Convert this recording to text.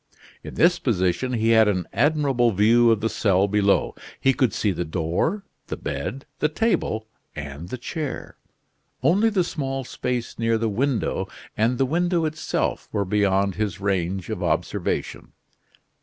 In this position he had an admirable view of the cell below. He could see the door, the bed, the table, and the chair; only the small space near the window and the window itself were beyond his range of observation.